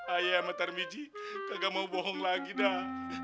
ayah dan pak tarmiji kagak mau bohong lagi dah